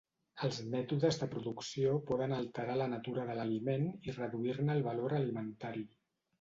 Els mètodes de producció poden alterar la natura de l'aliment i reduir-ne el valor alimentari.